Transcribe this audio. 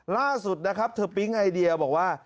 ล่าสุดนะครับเธอปิ๊งไอเดียบอกว่า